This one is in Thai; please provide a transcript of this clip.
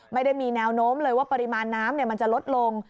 ไม่ได้มีแนวโน้มเลยว่าปริมาณน้ำมันจะลดลง